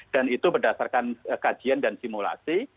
dan itu berdasarkan kajian dan simulasi